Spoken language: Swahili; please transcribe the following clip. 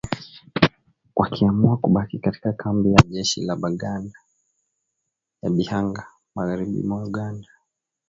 wakiamua kubaki katika kambi ya jeshi la Uganda ya Bihanga magharibi mwa Uganda